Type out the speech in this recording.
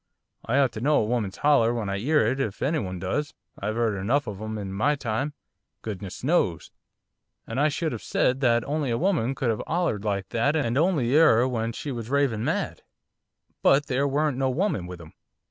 I ought to know a woman's holler when I 'ear it, if any one does, I've 'eard enough of 'em in my time, goodness knows. And I should 'ave said that only a woman could 'ave hollered like that and only 'er when she was raving mad. But there weren't no woman with him.